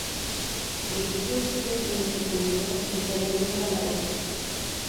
Este sencillo ni se culminó, ni salió nunca a la venta.